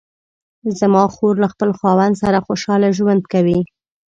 زما خور له خپل خاوند سره خوشحاله ژوند کوي